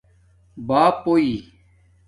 باپݸئیی